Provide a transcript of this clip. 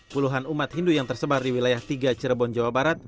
puluhan umat hindu yang tersebar di wilayah tiga cirebon jawa barat